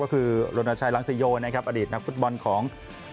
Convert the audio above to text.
ก็คือโรนาชัยรังสีโยอดีตนักฟุตบอลของ